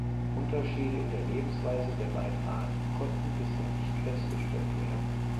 Unterschiede in der Lebensweise der beiden Arten konnten bisher nicht festgestellt werden.